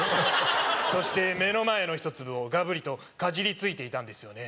そして目の前の１粒をカブリとかじりついていたんですよね